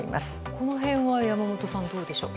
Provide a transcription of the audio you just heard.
この辺は山本さんどうでしょう？